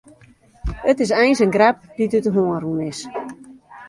It is eins in grap dy't út de hân rûn is.